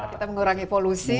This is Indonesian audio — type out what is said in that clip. kita mengurangi polusi